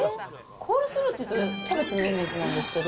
コールスローっていうとキャベツのイメージなんですけど。